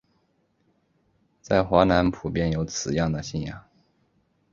在华南普遍有此样的信仰。